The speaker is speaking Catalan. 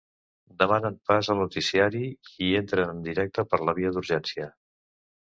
Demanen pas al noticiari i entren en directe per la via d'urgència.